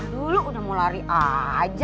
dulu udah mau lari aja